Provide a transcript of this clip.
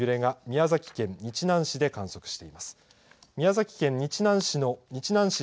宮崎県日南市の日南市